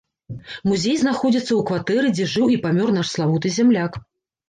Музей знаходзіцца ў кватэры дзе жыў і памёр наш славуты зямляк.